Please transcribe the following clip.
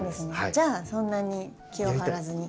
じゃあそんなに気を張らずに。